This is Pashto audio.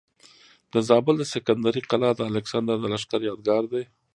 د زابل د سکندرۍ قلا د الکسندر د لښکر یادګار دی